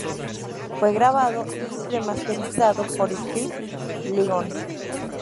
Fue grabado y remasterizado por Steve Lyon.